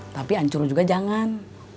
tapi ancur juga jangan